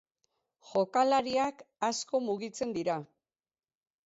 Jokalariak asko mugitzen dira.